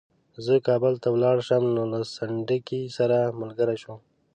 زه کابل ته ولاړ شم نو له سنډکي سره ملګری شوم.